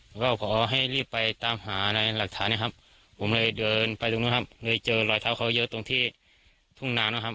แล้วก็ขอให้รีบไปตามหาในหลักฐานนะครับผมเลยเดินไปตรงนู้นครับเลยเจอรอยเท้าเขาเยอะตรงที่ทุ่งนานะครับ